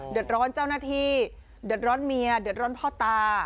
เดือดร้อนเจ้าหน้าที่เดือดร้อนเมียเดือดร้อนพ่อตา